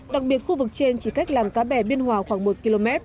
đặc biệt khu vực trên chỉ cách làm cá bè biên hòa khoảng một km